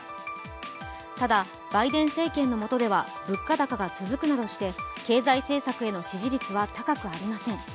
ただバイデン政権のもとでは物価高が続くなどして経済政策への支持率は高くありません。